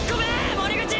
森口！